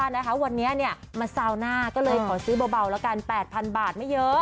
ชอบเลขคฤจชะกราศ